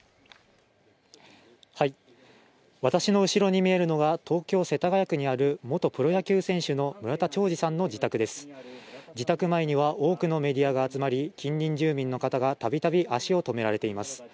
私の後ろに見えるのが東京世田谷区にある元プロ野球選手の村田兆治さんの自宅です自宅前には多くのメディアが集まり近隣住民の方が度々足を止められています